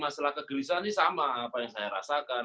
masalah kegelisahan ini sama apa yang saya rasakan